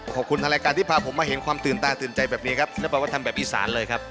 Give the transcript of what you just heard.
ขอบคุณทางรายการที่พาผมมาเห็นความตื่นตาตื่นใจแบบนี้ครับแล้วแปลว่าทำแบบอีสานเลยครับ